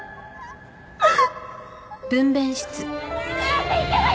あっ！